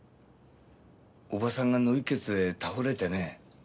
叔母さんが脳溢血で倒れてね